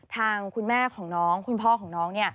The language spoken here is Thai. ทางคุณแม่ของน้องคุณพ่อของน้อง